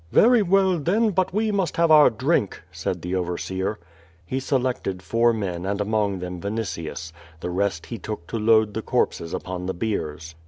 "Very well then, but we must have our drink," said the overseer. He seltvted four men and among them Vinitius; the rest he took to load the corpses upon the biers.